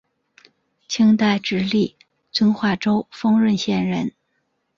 清代直隶遵化州丰润县人。